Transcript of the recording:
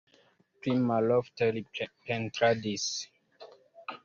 Pli malofte li pentradis.